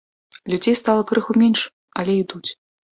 Людзей стала крыху менш, але ідуць.